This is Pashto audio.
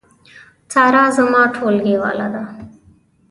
سارا زما ټولګیواله ده